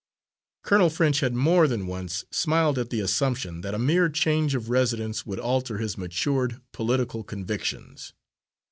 Colonel French had more than once smiled at the assumption that a mere change of residence would alter his matured political convictions.